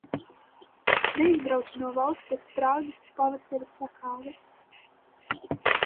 Neizbrauca no valsts pēc Prāgas pavasara sakāves.